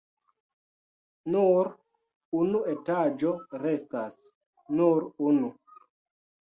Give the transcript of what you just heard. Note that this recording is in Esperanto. Nur unu etaĝo restas! Nur unu.